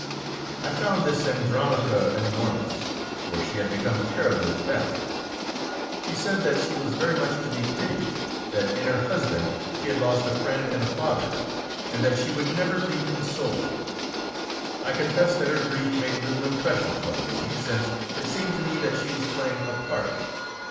I found this Andromache enormous, for she had become terribly fat. She said that she was very much to be pitied, that in her husband she had lost a friend and a father, and that she would never be consoled. I confess that her grief made little impression upon me, since it seemed to me that she was playing a part.